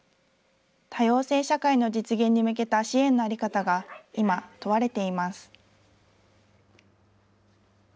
多様性社会の実現に向けた支援の在り方が今、問われています。